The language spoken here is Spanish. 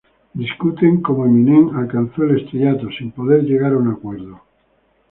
Discuten cómo Eminem alcanzó el estrellato, sin poder llegar a un acuerdo.